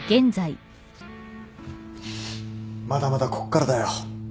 まだまだこっからだよ。